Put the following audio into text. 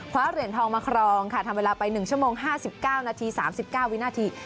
เหรียญทองมาครองค่ะทำเวลาไป๑ชั่วโมง๕๙นาที๓๙วินาที